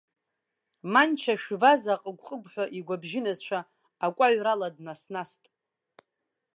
Манча ашәваз аҟыгә-ҟыгәҳәа игәабжьынацәа акәаҩрала днас-наст.